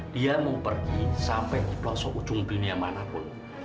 dia mau pergi sampai ke pelosok ujung dunia manapun